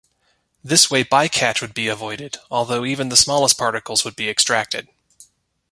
This way bycatch would be avoided, although even the smallest particles would be extracted.